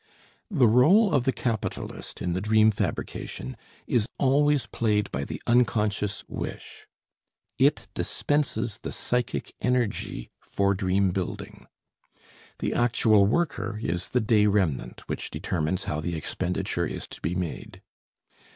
The role of the capitalist in the dream fabrication is always played by the unconscious wish; it dispenses the psychic energy for dream building. The actual worker is the day remnant, which determines how the expenditure is to be made.